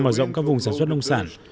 mở rộng các vùng sản xuất nông sản